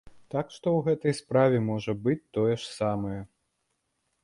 Так што ў гэтай справе можа быць тое ж самае.